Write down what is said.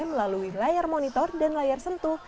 melalui layar monitor dan layar sentuh